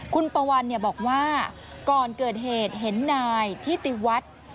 คุณปวันบอกว่าก่อนเกิดเหตุเห็นนายทิติวัฒน์